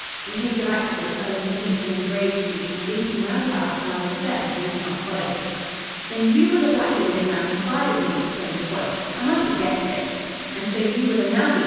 In case of accidents, I was to meet him in Grave Street and lead him round about till I was certain he was not followed." "Then you were the black bearded man who fired at me!" exclaimed Foyle. "I might have guessed it." "And so you were the navvy!"